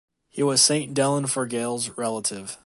He was St. Dallan Forgaill’s relative.